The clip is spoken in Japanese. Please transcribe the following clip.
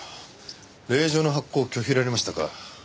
令状の発行拒否られましたか。